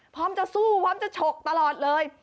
พร้อมจะสู้พร้อมจะฉกตลอดเลย